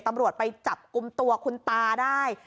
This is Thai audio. ตำรวจไปจับกลุ่มตัวคุณตาได้